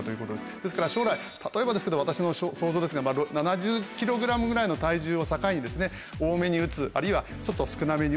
ですから将来例えばですけど私の想像ですが７０ｋｇぐらいの体重を境に多めに打つあるいはちょっと少なめに打つ。